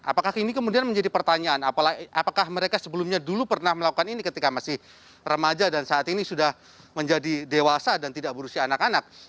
apakah ini kemudian menjadi pertanyaan apakah mereka sebelumnya dulu pernah melakukan ini ketika masih remaja dan saat ini sudah menjadi dewasa dan tidak berusia anak anak